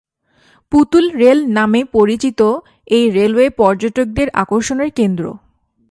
পুতুল রেল নামে পরিচিত এই রেলওয়ে পর্যটকদের আকর্ষণের কেন্দ্র।